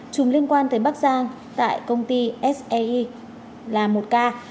chùm liên quan tới bắc giang tại công ty sae là một ca